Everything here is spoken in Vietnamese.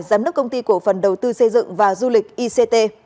giám đốc công ty cổ phần đầu tư xây dựng và du lịch ict